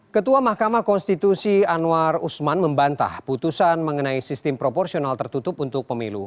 ketua mahkamah konstitusi anwar usman membantah putusan mengenai sistem proporsional tertutup untuk pemilu